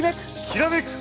きらめく！